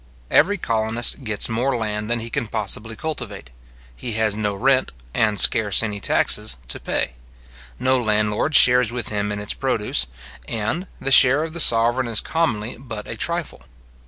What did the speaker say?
Every colonist gets more land than he can possibly cultivate. He has no rent, and scarce any taxes, to pay. No landlord shares with him in its produce, and, the share of the sovereign is commonly but a trifle.